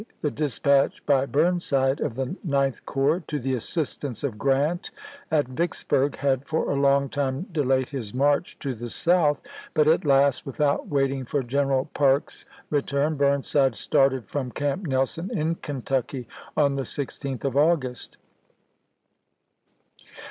The dispatch by Burnside of the Ninth Corps to the assistance of Grant at Vicksburg had for a long time delayed his march to the South, but at last, without waiting for General Parke's re turn, Burnside started from Camp Nelson in Ken 1863. tucky on the 16th of August.